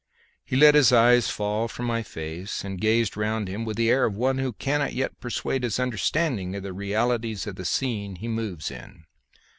He let his eyes fall from my face and gazed round him with the air of one who cannot yet persuade his understanding of the realities of the scene he moves in.